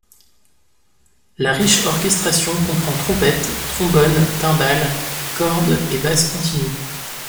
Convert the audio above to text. La riche orchestration comprend trompettes, trombone, timbales, cordes et basse continue.